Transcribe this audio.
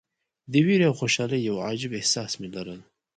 د ویرې او خوشالۍ یو عجیب احساس مې لرم.